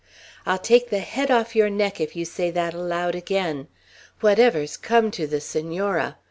"I'll take the head off your neck, if you say that aloud again! Whatever's come to the Senora!